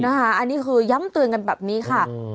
อันนี้คือย้ำเตือนกันแบบนี้ค่ะ